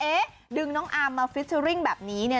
เอ๊ะดึงน้องอาร์มมาฟิตเตอร์ริ่งแบบนี้